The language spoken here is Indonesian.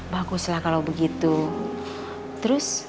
bagus lah kalau begitu terus